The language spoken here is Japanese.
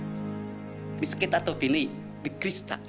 見つけた時にびっくりした。